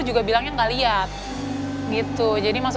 jika kita tidak bisa ikut campur